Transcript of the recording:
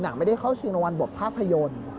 หนังไม่ได้เข้าชิงรวมวันบทภาพยนตร์